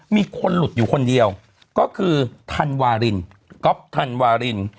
มีคนหลุดอยู่คนเดียวก็คือธันวารินก๊อฟธันวาริน